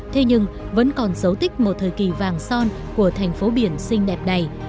thế nhưng vẫn còn dấu tích một thời kỳ vàng son của thành phố biển xinh đẹp này